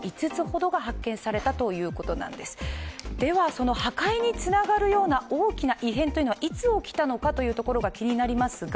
その破壊につながるような大きな異変というのはいつ起きたのかというところが気になりますが